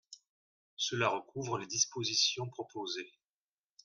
Cela recouvre les dispositions proposées.